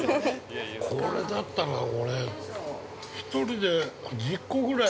◆これだったら、俺１人で１０個ぐらい。